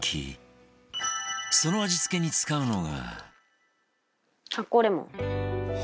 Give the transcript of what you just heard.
その味付けに使うのが